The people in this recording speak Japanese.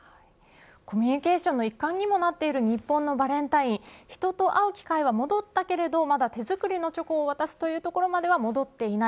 コミュニケーションの一環にもなっている日本のバレンタイン人と会う機会は戻ったけれどまだ手作りのチョコを渡すというところまでは戻っていない。